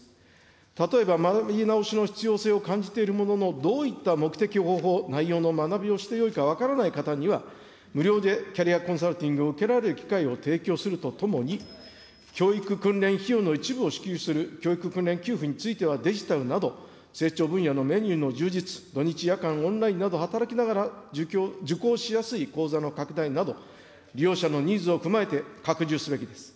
例えば学び直しの必要性を感じているものの、どういった目的、方法、内容の学びをしてよいか分からない方には、無料でキャリアコンサルティングを受けられる機会を提供するとともに、教育訓練費用の一部を支給する教育訓練給付についてはデジタルなど、成長分野のメニューの充実、土日、夜間、オンラインなど、働きながら受講しやすい講座の拡大など、利用者のニーズを踏まえて、拡充すべきです。